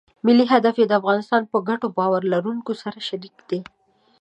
ملي هدف یې د افغانستان په ګټو باور لرونکو سره شریک دی.